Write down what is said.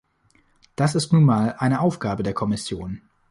Das ist nun mal eine Aufgabe der Kommission.